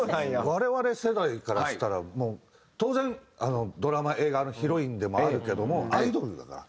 我々世代からしたらもう当然ドラマ映画のヒロインでもあるけどもアイドルだから。